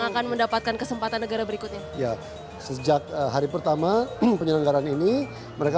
akan mendapatkan kesempatan negara berikutnya ya sejak hari pertama penyelenggaran ini mereka